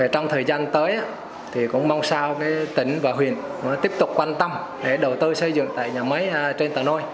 trong thời gian tới cũng mong sao tỉnh và huyện tiếp tục quan tâm để đầu tư xây dựng tại nhà máy trên tà nôi